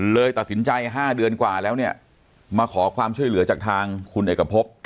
เลยตัดสินใจ๕เดือนกว่าแล้วเนี่ยมาขอความช่วยเหลือจากทางคุณเอกพบ